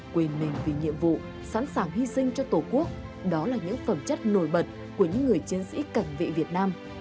quên mình vì nhiệm vụ sẵn sàng hy sinh cho tổ quốc đó là những phẩm chất nổi bật của những người chiến sĩ cảnh vệ việt nam